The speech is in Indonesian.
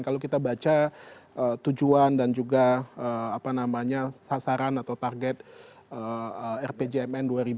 kalau kita baca tujuan dan juga sasaran atau target rpjp